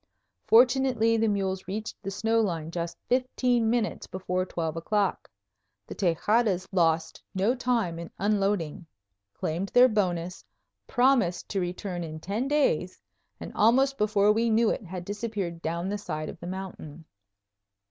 Fortunately the mules reached the snow line just fifteen minutes before twelve o'clock. The Tejadas lost no time in unloading, claimed their bonus, promised to return in ten days, and almost before we knew it had disappeared down the side of the mountain.